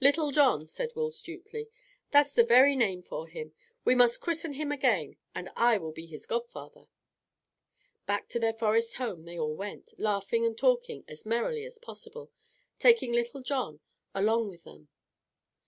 "Little John," said Will Stutely, "that's the very name for him. We must christen him again, and I will be his godfather." Back to their forest home they all went, laughing and talking as merrily as possible, taking John Little along with them.